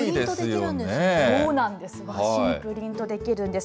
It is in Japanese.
プリントできるんですか。